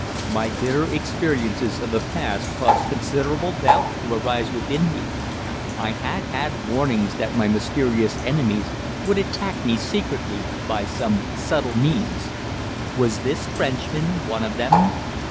My bitter experiences of the past caused considerable doubt to arise within me. I had had warnings that my mysterious enemies would attack me secretly, by some subtle means. Was this Frenchman one of them?